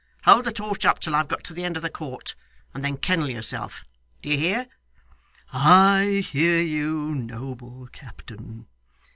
Hold the torch up till I've got to the end of the court, and then kennel yourself, do you hear?' 'I hear you, noble captain.